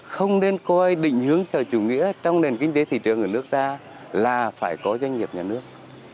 không nên coi định hướng sở chủ nghĩa trong nền kinh tế thị trường ở nước ta là phải có doanh nghiệp nhà nước